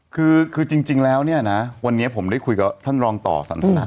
คือจริงแล้วเนี่ยนะวันนี้ผมได้คุยกับท่านรองต่อสันทนา